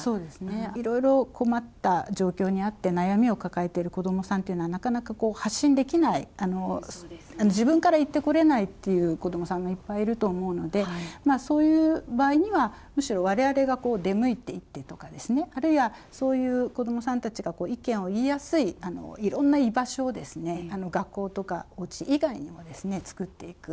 いろいろ困った状況にあって、悩みを抱えている子どもさんというのは、なかなか発信できない、自分から言ってこれないっていう子どもさんがいっぱいいると思うので、そういう場合には、むしろわれわれが出向いていってとかですね、あるいはそういう子どもさんたちが意見を言いやすい、いろんな居場所を学校とか、おうち以外にも作っていく。